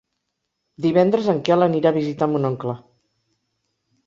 Divendres en Quel anirà a visitar mon oncle.